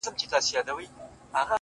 o دا ستا د سترگو په كتاب كي گراني ،